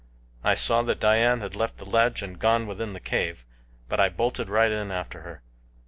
I saw that Dian had left the ledge and gone within the cave, but I bolted right in after her.